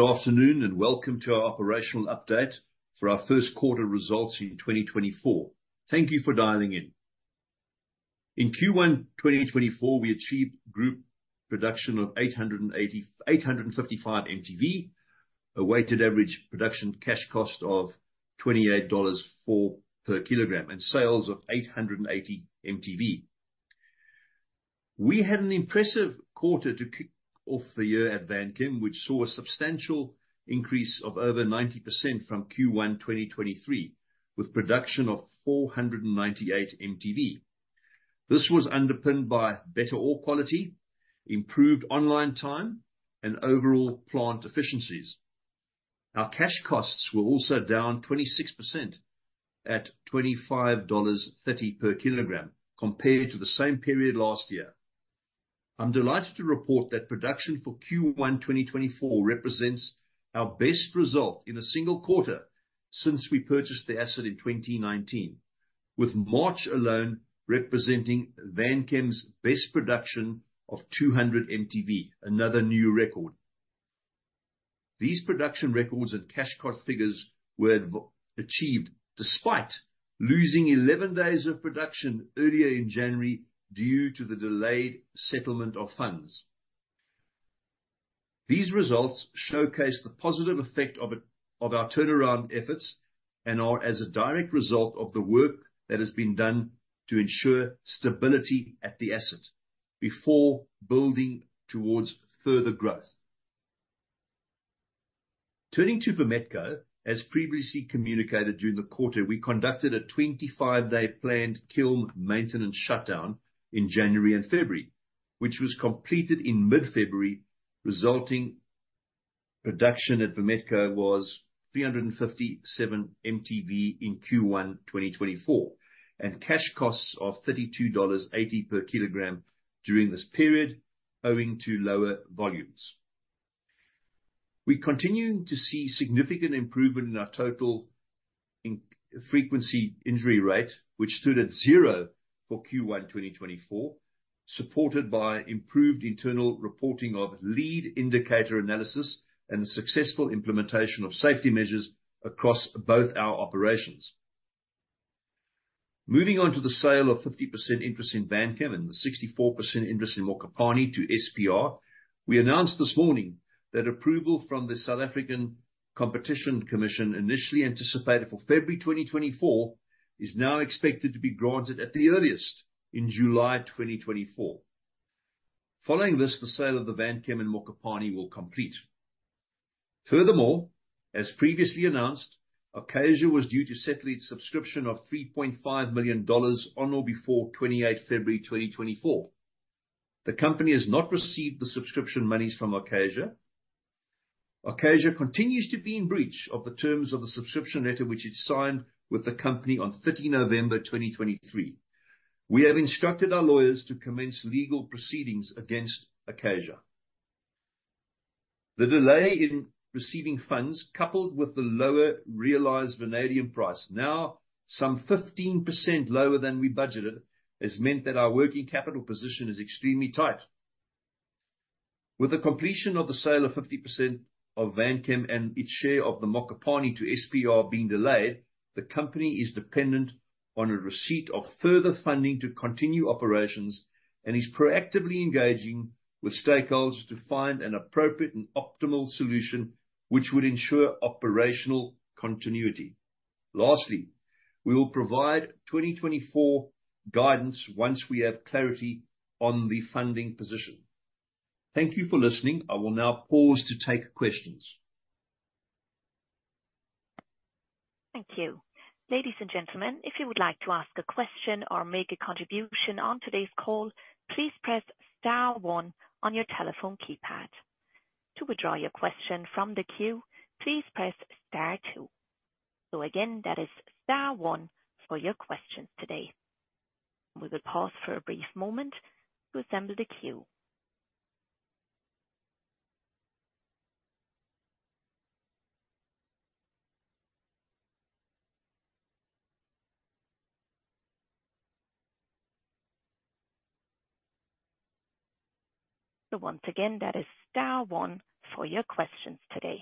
Good afternoon, and welcome to our operational update for our first quarter results in 2024. Thank you for dialing in. In Q1 2024, we achieved group production of 885 mtV, a weighted average production cash cost of $28.04 per kg, and sales of 880 mtV. We had an impressive quarter to kick off the year at Vanchem, which saw a substantial increase of over 90% from Q1 2023, with production of 498 mtV. This was underpinned by better ore quality, improved online time, and overall plant efficiencies. Our cash costs were also down 26% at $25.30 per kg, compared to the same period last year. I'm delighted to report that production for Q1 2024 represents our best result in a single quarter since we purchased the asset in 2019, with March alone representing Vanchem's best production of 200 mtV, another new record. These production records and cash cost figures were achieved despite losing 11 days of production earlier in January due to the delayed settlement of funds. These results showcase the positive effect of our turnaround efforts, and are as a direct result of the work that has been done to ensure stability at the asset before building towards further growth. Turning to Vametco, as previously communicated during the quarter, we conducted a 25-day planned kiln maintenance shutdown in January and February, which was completed in mid-February, resulting production at Vametco was 357 mtV in Q1 2024, and cash costs of $32.80 per kg during this period, owing to lower volumes. We continue to see significant improvement in our total injury frequency rate, which stood at zero for Q1 2024, supported by improved internal reporting of lead indicator analysis and the successful implementation of safety measures across both our operations. Moving on to the sale of 50% interest in Vanchem and the 64% interest in Mokopane to SPR. We announced this morning that approval from the Competition Commission South Africa, initially anticipated for February 2024, is now expected to be granted at the earliest in July 2024. Following this, the sale of the Vanchem and Mokopane will complete. Furthermore, as previously announced, Acacia was due to settle its subscription of $3.5 million on or before 28 February 2024. The company has not received the subscription monies from Acacia. Acacia continues to be in breach of the terms of the subscription letter, which it signed with the company on 30 November 2023. We have instructed our lawyers to commence legal proceedings against Acacia. The delay in receiving funds, coupled with the lower realized vanadium price, now some 15% lower than we budgeted, has meant that our working capital position is extremely tight. With the completion of the sale of 50% of Vanchem and its share of the Mokopane to SPR being delayed, the company is dependent on a receipt of further funding to continue operations, and is proactively engaging with stakeholders to find an appropriate and optimal solution which would ensure operational continuity. Lastly, we will provide 2024 guidance once we have clarity on the funding position. Thank you for listening. I will now pause to take questions. Thank you. Ladies and gentlemen, if you would like to ask a question or make a contribution on today's call, please press star one on your telephone keypad. To withdraw your question from the queue, please press star two. So again, that is star one for your questions today. We will pause for a brief moment to assemble the queue. So once again, that is star one for your questions today.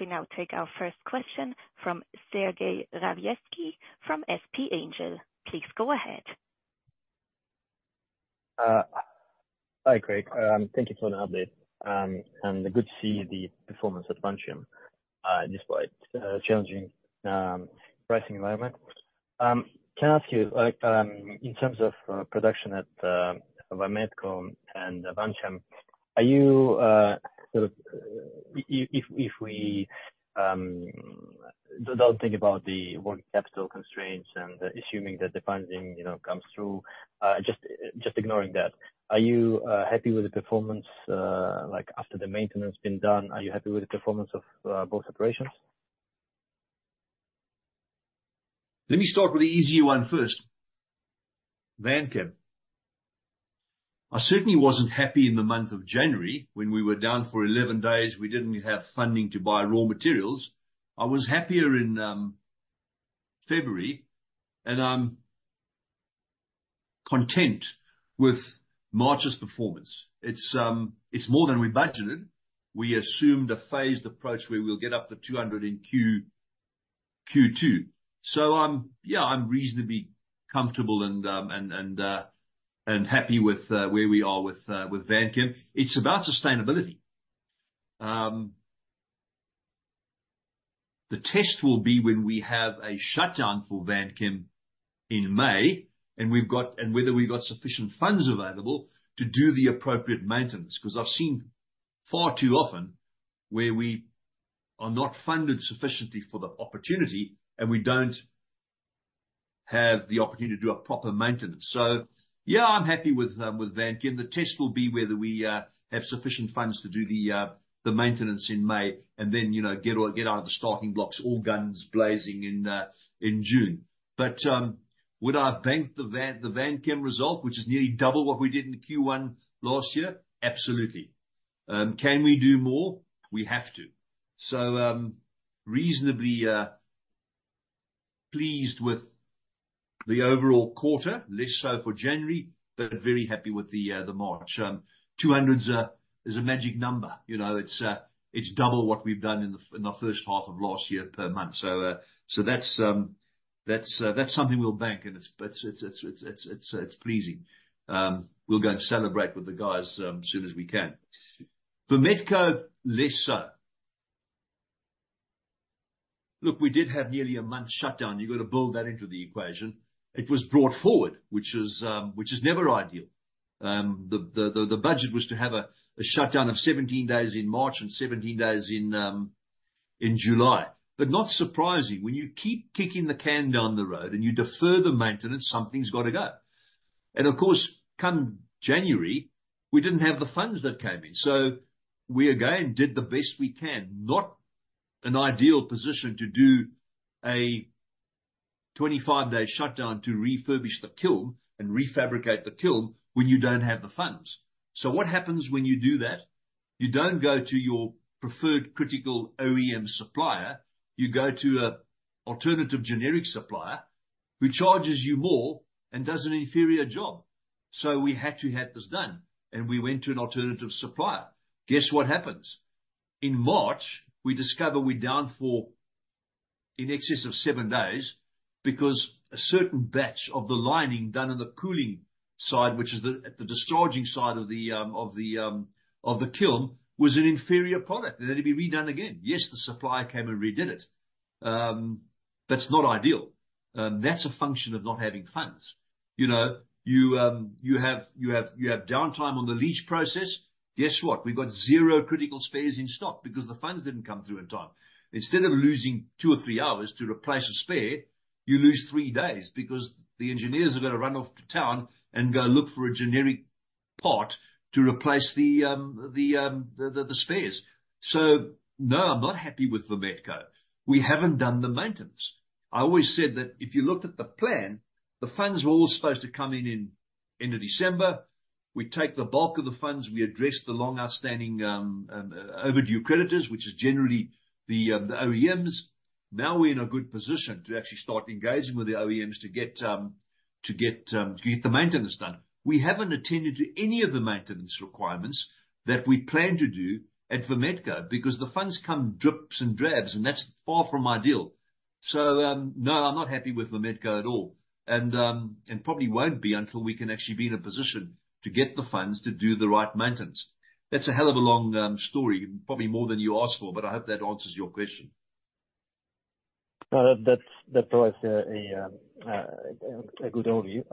We now take our first question from Sergey Raevskiy from SP Angel. Please go ahead. Hi, Craig. Thank you for the update. And good to see the performance at Vanchem, despite challenging pricing environment. Can I ask you, like, in terms of production at Vametco and Vanchem, are you sort of... If we don't think about the working capital constraints and assuming that the funding, you know, comes through, just ignoring that, are you happy with the performance, like, after the maintenance been done, are you happy with the performance of both operations? Let me start with the easy one first. Vanchem. I certainly wasn't happy in the month of January when we were down for 11 days, we didn't have funding to buy raw materials. I was happier in February, and I'm content with March's performance. It's, it's more than we budgeted. We assumed a phased approach where we'll get up to 200 in Q2. So I'm, yeah, I'm reasonably comfortable and, and happy with where we are with Vanchem. It's about sustainability. The test will be when we have a shutdown for Vanchem in May, and whether we've got sufficient funds available to do the appropriate maintenance, 'cause I've seen far too often where we are not funded sufficiently for the opportunity, and we don't have the opportunity to do a proper maintenance. So yeah, I'm happy with Vanchem. The test will be whether we have sufficient funds to do the maintenance in May, and then, you know, get out of the starting blocks, all guns blazing in June. But would I bank the Vanchem result, which is nearly double what we did in Q1 last year? Absolutely. Can we do more? We have to. So reasonably pleased with the overall quarter, less so for January, but very happy with the March. 200 is a magic number, you know, it's double what we've done in the first half of last year per month. So that's something we'll bank, and it's pleasing. We're going to celebrate with the guys as soon as we can. Vametco, less so. Look, we did have nearly a month shutdown. You've got to build that into the equation. It was brought forward, which is never ideal. The budget was to have a shutdown of 17 days in March and 17 days in July. But not surprising, when you keep kicking the can down the road and you defer the maintenance, something's gotta go. And of course, come January, we didn't have the funds that came in, so we again did the best we can. Not an ideal position to do a 25-day shutdown to refurbish the kiln and refabricate the kiln when you don't have the funds. So what happens when you do that? You don't go to your preferred critical OEM supplier. You go to an alternative generic supplier, who charges you more and does an inferior job. So we had to have this done, and we went to an alternative supplier. Guess what happens? In March, we discover we're down for in excess of 7 days because a certain batch of the lining done on the cooling side, which is the discharging side of the kiln, was an inferior product, and it had to be redone again. Yes, the supplier came and redid it. That's not ideal. That's a function of not having funds. You know, you have downtime on the leach process. Guess what? We've got zero critical spares in stock because the funds didn't come through in time. Instead of losing two or three hours to replace a spare, you lose three days because the engineers have got to run off to town and go look for a generic part to replace the spares. So no, I'm not happy with Vametco. We haven't done the maintenance. I always said that if you looked at the plan, the funds were all supposed to come in end of December. We take the bulk of the funds, we address the long outstanding overdue creditors, which is generally the OEMs. Now we're in a good position to actually start engaging with the OEMs to get the maintenance done. We haven't attended to any of the maintenance requirements that we planned to do at Vametco because the funds come drips and drabs, and that's far from ideal. So, no, I'm not happy with Vametco at all, and, and probably won't be until we can actually be in a position to get the funds to do the right maintenance. That's a hell of a long, story, probably more than you asked for, but I hope that answers your question. That was a good overview.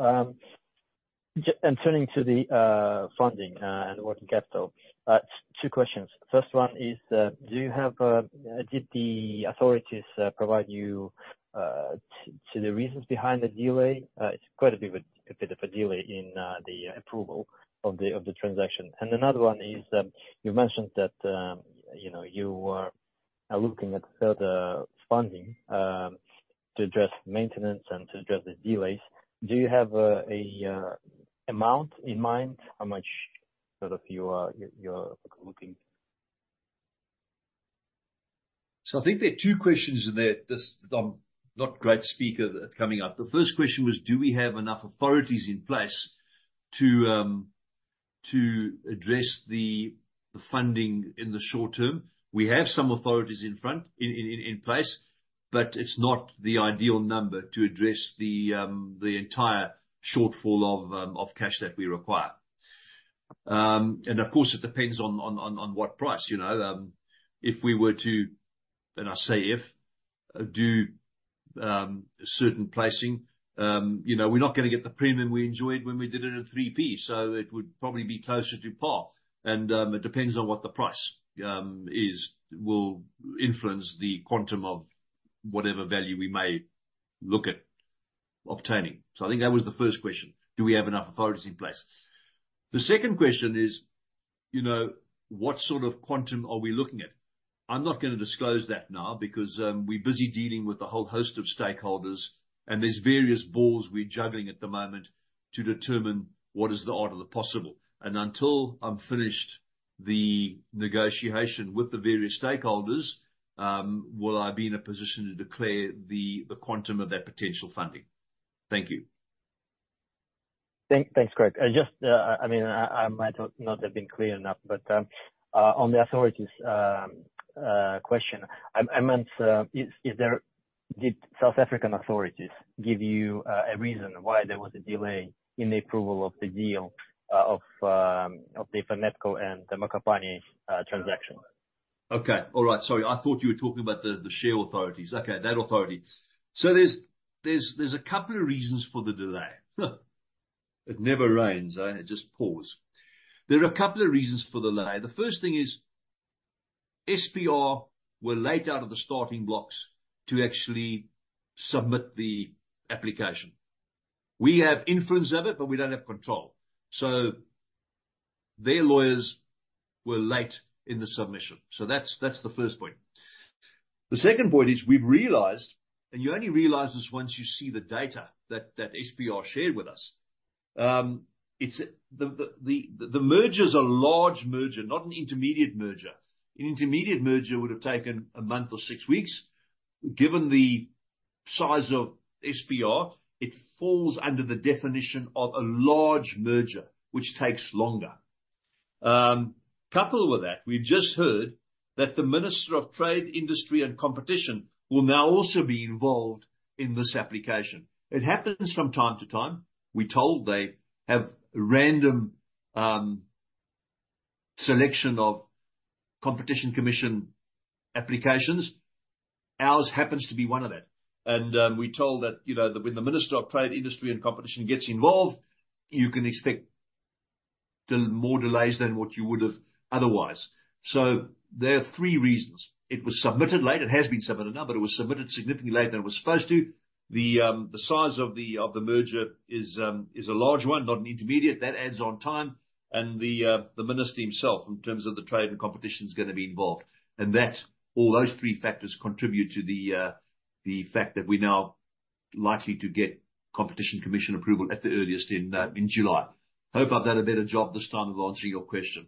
Turning to the funding and working capital, two questions. First one is, Did the authorities provide you the reasons behind the delay? It's quite a bit of a delay in the approval of the transaction. Another one is, you mentioned that, you know, you are looking at further funding to address maintenance and to address the delays. Do you have a amount in mind, how much sort of you are looking? So I think there are two questions in there. This, I'm not great speaker, coming up. The first question was, do we have enough authorities in place to address the funding in the short term? We have some authorities in front in place, but it's not the ideal number to address the entire shortfall of cash that we require. And of course, it depends on what price, you know. If we were to, and I say if, do certain pricing, you know, we're not gonna get the premium we enjoyed when we did it at 3p. So it would probably be closer to par, and it depends on what the price is will influence the quantum of whatever value we may look at obtaining. So I think that was the first question: do we have enough authorities in place? The second question is, you know, what sort of quantum are we looking at? I'm not gonna disclose that now because we're busy dealing with a whole host of stakeholders, and there's various balls we're juggling at the moment to determine what is the art of the possible. And until I've finished the negotiation with the various stakeholders, will I be in a position to declare the quantum of that potential funding. Thank you. Thanks, Craig. I just, I mean, I might not have been clear enough, but on the authorities question, I meant, is there... Did South African authorities give you a reason why there was a delay in the approval of the deal, of the Vametco and the Mokopane transaction? Okay. All right. Sorry, I thought you were talking about the share authorities. Okay, that authority. So there's a couple of reasons for the delay. It never rains, eh? It just pours. There are a couple of reasons for the delay. The first thing is, SPR were late out of the starting blocks to actually submit the application. We have influence of it, but we don't have control. So their lawyers were late in the submission, so that's the first point. The second point is, we've realized, and you only realize this once you see the data that SPR shared with us, it's a large merger, not an intermediate merger. An intermediate merger would have taken a month or six weeks. Given the size of SPR, it falls under the definition of a large merger, which takes longer. Coupled with that, we've just heard that the Minister of Trade, Industry and Competition will now also be involved in this application. It happens from time to time. We're told they have a random selection of Competition Commission applications. Ours happens to be one of them. And we're told that, you know, that when the Minister of Trade, Industry and Competition gets involved, you can expect more delays than what you would have otherwise. So there are three reasons. It was submitted late. It has been submitted now, but it was submitted significantly later than it was supposed to. The size of the merger is a large one, not an intermediate. That adds on time. And the minister himself, in terms of the trade and competition, is gonna be involved. And that, all those three factors contribute to the fact that we're now likely to get Competition Commission approval, at the earliest, in July. Hope I've done a better job this time of answering your question.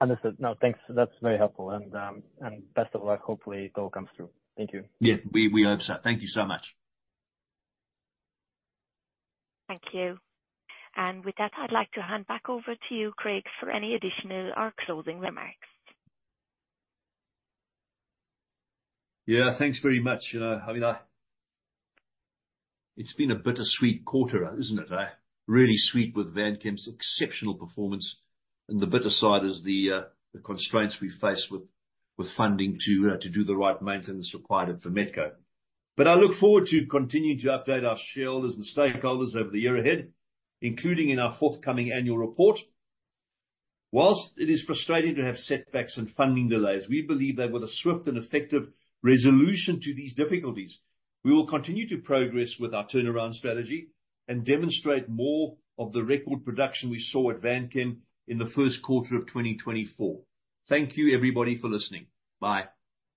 Understood. No, thanks. That's very helpful, and and best of luck. Hopefully, it all comes through. Thank you. Yeah, we hope so. Thank you so much. Thank you. With that, I'd like to hand back over to you, Craig, for any additional or closing remarks. Yeah, thanks very much. You know, I mean, it's been a bittersweet quarter, isn't it, eh? Really sweet with Vanchem's exceptional performance, and the bitter side is the constraints we face with funding to do the right maintenance required at Vametco. But I look forward to continuing to update our shareholders and stakeholders over the year ahead, including in our forthcoming annual report. While it is frustrating to have setbacks and funding delays, we believe that with a swift and effective resolution to these difficulties, we will continue to progress with our turnaround strategy and demonstrate more of the record production we saw at Vanchem in the first quarter of 2024. Thank you, everybody, for listening. Bye.